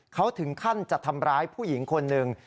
เขาถึงขั้นจะทำร้ายผู้หญิงคนหนึ่ง